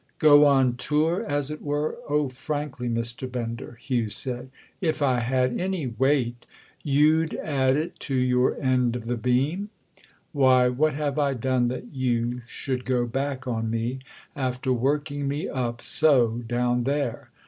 "Go 'on tour,' as it were? Oh, frankly, Mr. Bender," Hugh said, "if I had any weight——!" "You'd add it to your end of the beam? Why, what have I done that you should go back on me—after working me up so down there?